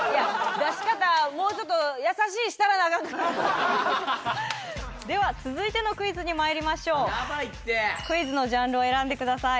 出し方では続いてのクイズにまいりましょうクイズのジャンルを選んでください